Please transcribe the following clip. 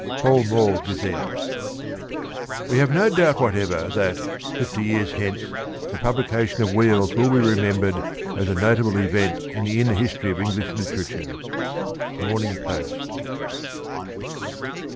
— Pall Mall Gazette. We have no doubt whatever that, fifty years hence, the publication of ' Wheels ' will be remembered as a notable event in the inner history of English Literature. — Morning Post.